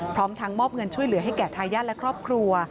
พร้อมทั้งมอบเงินช่วยเหลือให้แก่ทายาทและครอบครัว